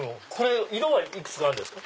色はいくつかあるんですか？